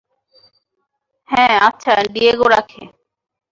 হ্যাঁ, আচ্ছা, ডিয়েগো রাখে।